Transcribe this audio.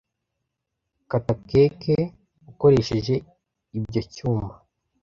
Kata cake ukoresheje ibyo cyuma.